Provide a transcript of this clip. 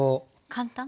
簡単？